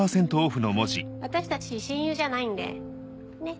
私たち親友じゃないんでねっ。